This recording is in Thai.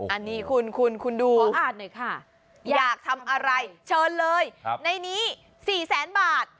อันนี้คุณคุณดูอยากทำอะไรเชิญเลยในนี้๔แสนบาท